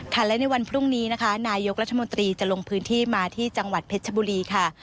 และในวันพรุ่งนี้นะคะนายกรัฐมนตรีจะลงพื้นที่มาที่จังหวัดเพชรชบุรีค่ะ